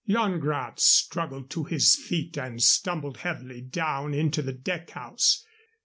Yan Gratz struggled to his feet and stumbled heavily down into the deck house.